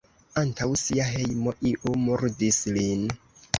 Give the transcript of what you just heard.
Antaŭ sia hejmo iu murdis lin.